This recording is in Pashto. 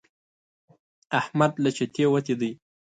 احمد له چتې وتی دی.